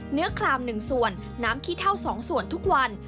คลาม๑ส่วนน้ำขี้เท่า๒ส่วนทุกวัน